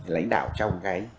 lãnh đạo trong nhiệm kỳ tới